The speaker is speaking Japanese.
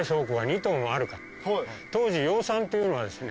当時養蚕っていうのはですね